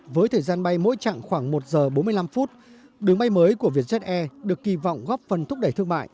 với thời gian bay mỗi chặng khoảng một giờ bốn mươi năm phút đường bay mới của vietjet air được kỳ vọng góp phần thúc đẩy thương mại